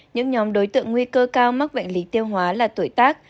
những nhóm đối tượng nguy cơ cao mắc bệnh lý tiêu hóa là tuổi tác